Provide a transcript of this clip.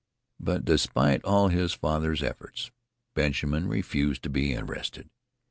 But, despite all his father's efforts, Benjamin refused to be interested.